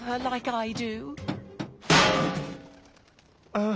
ああ。